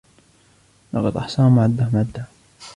لقد أحصاهم وعدهم عدا